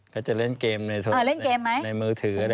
เขาจะเล่นเกมในมือถือ